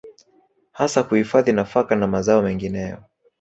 hasa kuhifadhi nafaka na mazao mengineyo